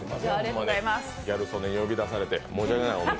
ギャル曽根に呼び出されて、申し訳ない！